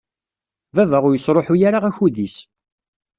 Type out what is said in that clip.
Baba ur yesṛuḥuy ara akud-is.